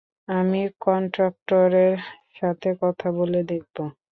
আমি কনট্রাক্টরের সাথে কথা বলে দেখবো।